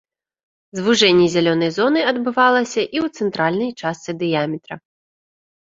Звужэнне зялёнай зоны адбывалася і ў цэнтральнай частцы дыяметра.